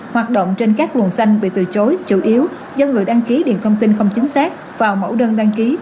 hoạt động trên các luồng xanh bị từ chối chủ yếu do người đăng ký điện thông tin không chính xác vào mẫu đơn đăng ký